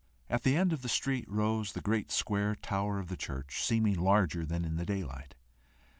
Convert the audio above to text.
At the end of the street rose the great square tower of the church, seeming larger than in the daylight.